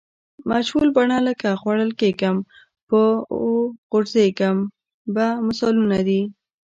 مجهول بڼه لکه خوړل کیږم به او غورځېږم به مثالونه دي.